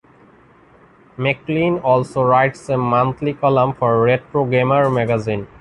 Maclean also writes a monthly column for "Retro Gamer" magazine.